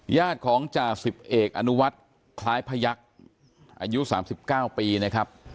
ญาติของจ่าสิบเอกอนุวัฒน์คล้ายพยักษ์อายุ๓๙ปีนะครับ